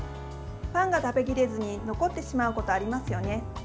パンが食べきれずに残ってしまうことありますよね。